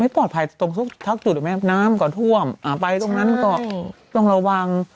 ไม่ปลอดภัยตรงทุกทุกจุดแม่น้ำก็ท่วมอ่าไปตรงนั้นก็ต้องระวัง